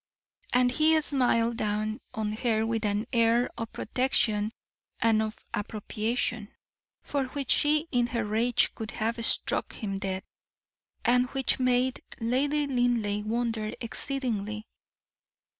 And he smiled down on her with an air of protection and of appropriation, for which she in her rage could have struck him dead, and which made Lady Linleigh wonder exceedingly.